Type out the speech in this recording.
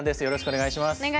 よろしくお願いします。